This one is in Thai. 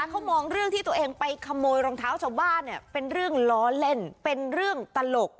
เขามองเรื่องที่ตัวเองไปขโมยรองเท้าชาวบ้านเนี่ยเป็นเรื่องล้อเล่นเป็นเรื่องตลก